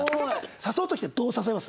誘う時ってどう誘います？